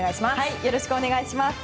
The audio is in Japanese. よろしくお願いします。